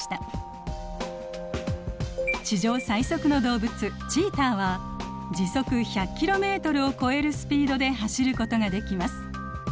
地上最速の動物チーターは時速１００キロメートルを超えるスピードで走ることができます。